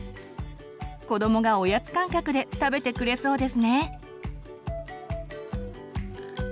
子どもがおやつ感覚で食べてくれそうですね！